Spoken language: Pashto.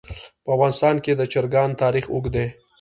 په افغانستان کې د چرګان تاریخ اوږد دی.